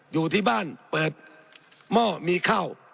อยู่ที่บ้านเปิดหม้อมีข้าว